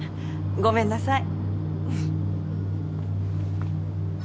ごめんなさい。